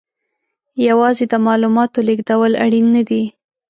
یوازې د معلوماتو لېږدول اړین نه دي.